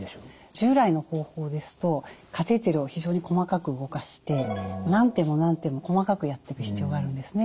従来の方法ですとカテーテルを非常に細かく動かして何手も何手も細かくやってく必要があるんですね。